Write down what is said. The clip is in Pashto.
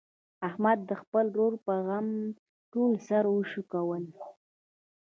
احمد د خپل ورور په غم ټول سر و شکولو.